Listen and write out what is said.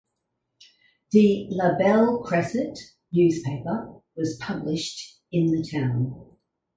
The "La Belle Cresset" newspaper was published in the town.